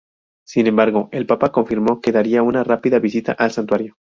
Sin embargo, el papa confirmó que daría una rápida visita al santuario.